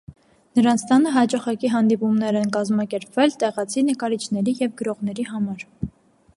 Նրանց տանը հաճախակի հանդիպումներ են կազմակերպվել տեղացի նկարիչների և գրողների համար։